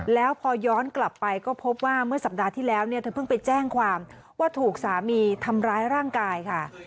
แล้วพอย้อนกลับไปก็พบว่าเมื่อสัปดาห์ที่แล้วเนี่ยเธอเพิ่งไปแจ้งความว่าถูกสามีทำร้ายร่างกายค่ะ